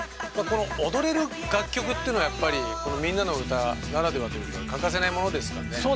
この踊れる楽曲というのはやっぱり「みんなのうた」ならではというか欠かせないものですからね。